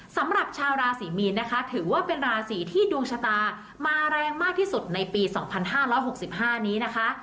สำหรับชาวราศรีมีนนะคะถือว่าเป็นราศีที่ดวงชะตามาแรงมากที่สุดในปี๒๕๖๕นี้นะคะ